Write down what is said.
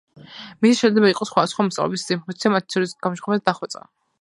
მიზანი შეიძლება იყოს სხვადასხვა: მოსწავლეების ინფორმირება, მათი ცოდნის გამომჟღავნება და დახვეწა.